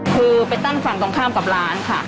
คือไปตั้งฝั่งตรงข้ามกับร้านค่ะ